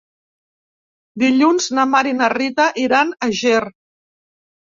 Dilluns na Mar i na Rita iran a Ger.